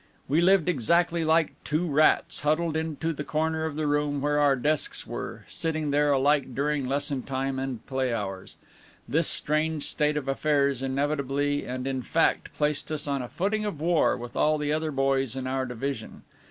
We lived exactly like two rats, huddled into the corner of the room where our desks were, sitting there alike during lesson time and play hours. This strange state of affairs inevitably and in fact placed us on a footing of war with all the other boys in our division.